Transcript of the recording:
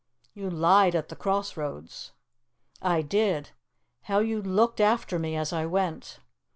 "You lied at the cross roads." "I did. How you looked after me as I went!